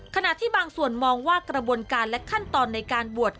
ขณะที่บางส่วนมองว่ากระบวนการและขั้นตอนในการบวช